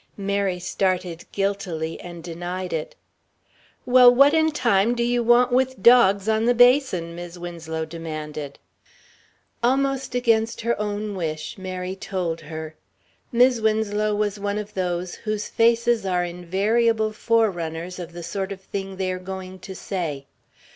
Mary started guiltily and denied it. "Well, what in time do you want with dogs on the basin?" Mis' Winslow demanded. Almost against her own wish, Mary told her. Mis' Winslow was one of those whose faces are invariable forerunners of the sort of thing they are going to say.